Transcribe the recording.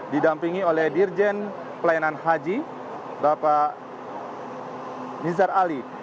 didampingi oleh dirjen pelayanan haji bapak nizar ali